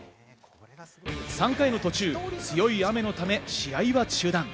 ３回の途中、強い雨のため試合は中断。